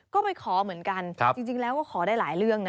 ก็ไปขอเหมือนกันจริงแล้วก็ขอได้หลายเรื่องนะ